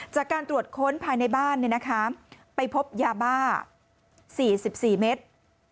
จากการตรวจค้นภายในบ้านไปพบยาบ้า๔๔เมตร